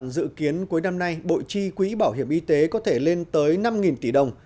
dự kiến cuối năm nay bộ chi quỹ bảo hiểm y tế có thể lên tới năm tỷ đồng